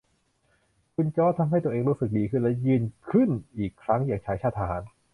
คุณจอร์จทำให้ตัวเองรู้สึกดีขึ้นและยืนขึิ้นอีกครั้งอย่างชายชาติทหาร